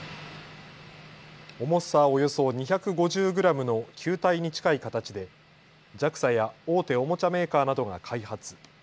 重さおよそ２５０グラムの球体に近い形でＪＡＸＡや大手おもちゃメーカーなどが開発。